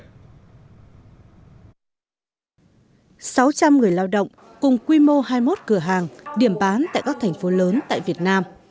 sáu trăm linh người lao động cùng quy mô hai mươi một cửa hàng điểm bán tại các thành phố lớn tại việt nam